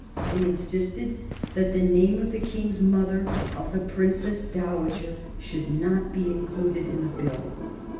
They insisted that the name of the King's mother, of the Princess Dowager, should not be included in the Bill.